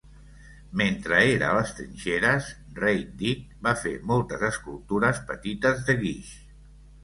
Mentre era a les trinxeres, Reid Dick va fer moltes escultures petites de guix.